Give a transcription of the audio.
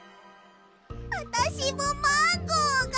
あたしもマンゴーが。